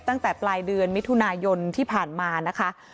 ตั้งแต่ปลายเดือนมิถุนายนที่ผ่านมานะคะ